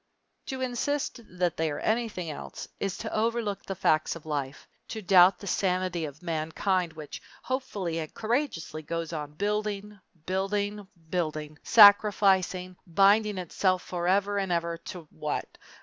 To insist that they are anything else is to overlook the facts of life, to doubt the sanity of mankind which hopefully and courageously goes on building, building, building, sacrificing, binding itself forever and ever to what?